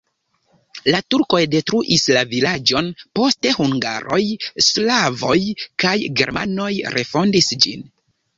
La turkoj detruis la vilaĝon, poste hungaroj, slavoj kaj germanoj refondis ĝin.